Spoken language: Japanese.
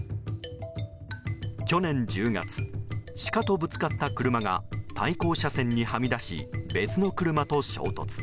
去年１０月シカとぶつかった車が対向車線にはみ出し別の車と衝突。